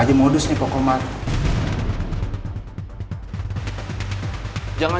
karena hanya khanesalah